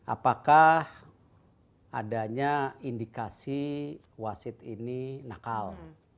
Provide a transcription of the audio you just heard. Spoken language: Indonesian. apakah adanya indikasi wasit ini nakal